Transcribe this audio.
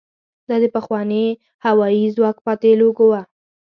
دا د پخواني هوايي ځواک پاتې لوګو وه.